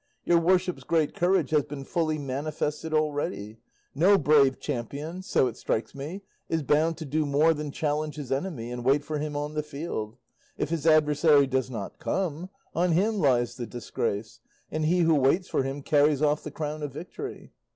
Your worship's great courage has been fully manifested already; no brave champion, so it strikes me, is bound to do more than challenge his enemy and wait for him on the field; if his adversary does not come, on him lies the disgrace, and he who waits for him carries off the crown of victory."